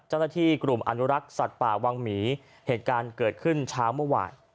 เจ้าหน้าที่กลุ่มอนุรักษ์สัตว์ป่าวังหมีเหตุการณ์เกิดขึ้นเช้าเมื่อวาน